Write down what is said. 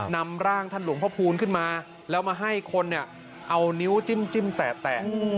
นำร่างท่านหลวงพ่อพูนขึ้นมาแล้วมาให้คนเนี่ยเอานิ้วจิ้มแตะ